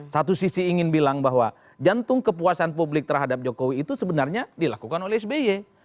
satu sisi ingin bilang bahwa jantung kepuasan publik terhadap jokowi itu sebenarnya dilakukan oleh sby